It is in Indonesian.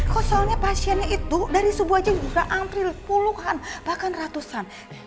kok soalnya pasiennya itu dari subuh aja juga antri puluhan bahkan ratusan